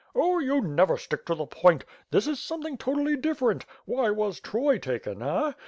"Oh, you never stick to the point. This is something totally different. Why was Troy taken? Eh?